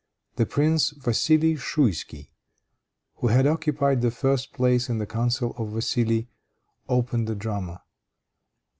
The prince Vassili Schouisky, who had occupied the first place in the councils of Vassili, opened the drama.